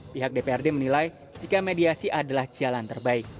pihak dprd menilai jika mediasi adalah jalan terbaik